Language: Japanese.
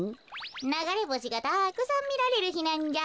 ながれぼしがたくさんみられるひなんじゃ。